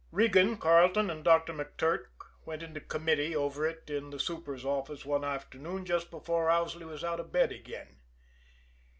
Regan, Carleton and Doctor McTurk went into committee over it in the super's office one afternoon just before Owsley was out of bed again.